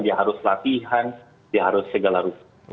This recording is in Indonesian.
dia harus latihan dia harus segala ruku